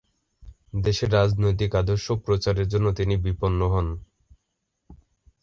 দেশে রাজনৈতিক আদর্শ প্রচারের জন্য তিনি বিপন্ন হন।